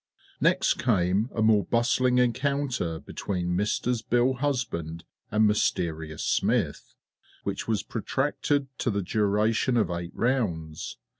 Next came a more bustling encounter between Misters BILL HUSBAND and MYSTERIOUS SMITH, which was protracted to the duration of eight rounds.